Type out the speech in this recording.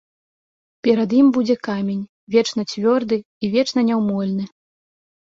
Перад ім будзе камень, вечна цвёрды і вечна няўмольны!